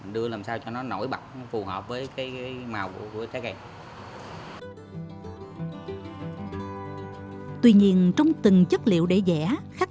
đưa làm sao cho nó nổi bật phù hợp với cái màu của cái cây tuy nhiên trong từng chất liệu để dẻ khắc